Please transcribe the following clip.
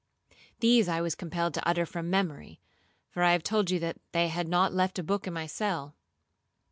These I was compelled to utter from memory, for I have told you that they had not left a book in my cell.